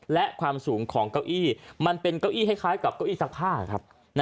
และความสูงของเก้าอี้มันเป็นเก้าอี้คล้ายกับเก้าอี้ซักผ้าครับ